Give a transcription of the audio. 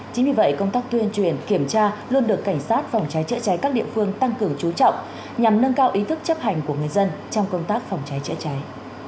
chính vì vậy công tác tuyên truyền kiểm tra luôn được cảnh sát phòng cháy chữa cháy các địa phương tăng cường trú trọng nhằm nâng cao ý thức chấp hành của người dân trong công tác phòng cháy chữa cháy